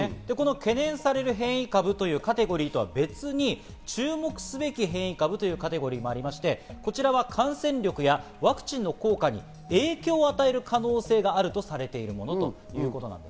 懸念される変異株というカテゴリーとは別に注目すべき変異株というカテゴリーがありまして、こちらは感染力やワクチンの効果に影響を与える可能性があるとされているものです。